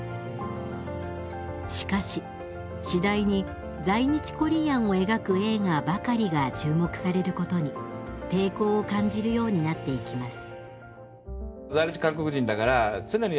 しかし次第に在日コリアンを描く映画ばかりが注目されることに抵抗を感じるようになっていきます。